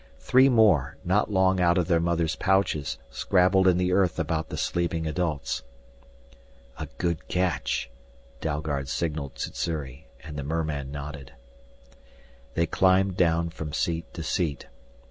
Three more, not long out of their mothers' pouches scrabbled in the earth about the sleeping adults. "A good catch," Dalgard signaled Sssuri, and the merman nodded. They climbed down from seat to seat.